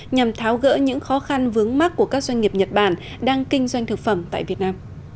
nhằm tháo gỡ những khó khăn vướng mắt của các doanh nghiệp nhật bản đang kinh doanh thực phẩm tại việt nam